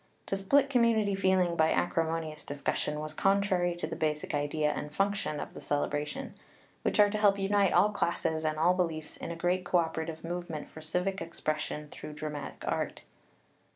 To split community feeling by acrimonious discussion was contrary to the basic idea and function of the Cele bration, which are to help unite all classes and all beliefs in a great cooperative movement for civic expression through dramatic art.